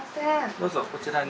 どうぞこちらに。